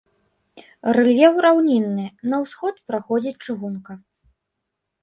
Рэльеф раўнінны, на ўсход праходзіць чыгунка.